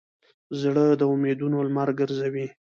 زړه د امیدونو لمر ګرځوي.